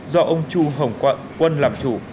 do ông chu hồng quận quân làm chủ